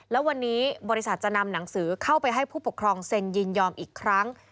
และวันนี้บริษัทจะนำหนังสือเข้าไปให้ผู้ปกครองเซ็นยินยอมอีกครั้ง